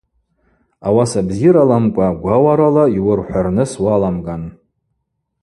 Ауаса бзираламкӏва гвауарала йуырхӏварныс уаламган.